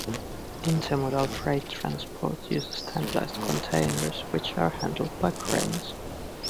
Intermodal freight transport uses standardized containers, which are handled by cranes.